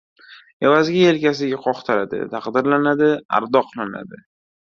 Evaziga yelkasiga qoqtiradi, taqdirlanadi, ardoqlanadi.